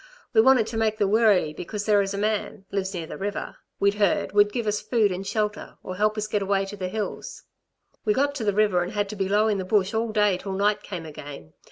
We wanted to make the Wirree because there is a man lives near the river we'd heard would give us food and shelter, or help us to get away to the hills. "We got to the river and had to be low in the bush all day till night came again.